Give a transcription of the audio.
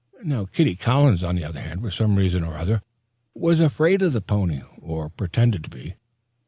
Kitty Collins, for some reason or another, was afraid of the pony, or pretended to be.